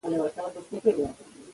افکس د لاتیني ژبي اصطلاح ده.